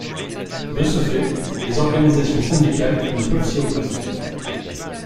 De ce fait, les organisations syndicales ne peuvent s’y opposer.